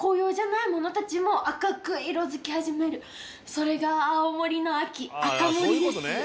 それが青森の秋赤森です。